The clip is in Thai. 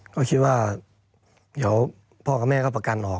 ก็คิดว่าเดี๋ยวพ่อกับแม่ก็ประกันออก